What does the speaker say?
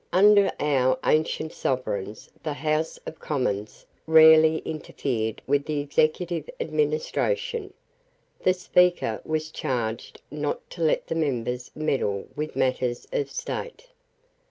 Under our ancient sovereigns the House of Commons rarely interfered with the executive administration. The Speaker was charged not to let the members meddle with matters of State.